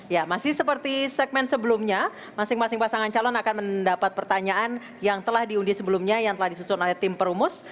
ya masih seperti segmen sebelumnya masing masing pasangan calon akan mendapat pertanyaan yang telah diundi sebelumnya yang telah disusun oleh tim perumus